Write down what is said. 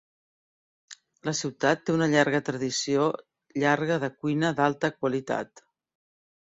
La ciutat té una llarga tradició llarga de cuina d'alta qualitat.